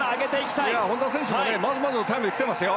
本多選手もまずまずのタイムできてますよ。